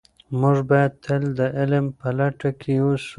موږ باید تل د علم په لټه کې سو.